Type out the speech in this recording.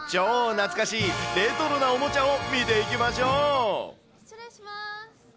超懐かしいレトロなおもちゃを見失礼します。